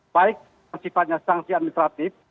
baik sifatnya sanksi administratif